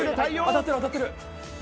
当たってる当たってる。